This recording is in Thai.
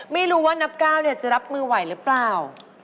ไม่รู้ว่านับก้าวจะรับมือไหวหรือเปล่า